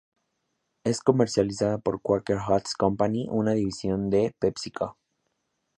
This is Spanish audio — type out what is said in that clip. Es comercializada por Quaker Oats Company, una división de PepsiCo.